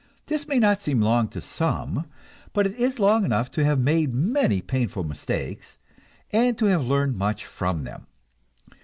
That may not seem long to some, but it is long enough to have made many painful mistakes, and to have learned much from them.